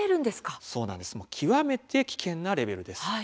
極めて危険なレベルです。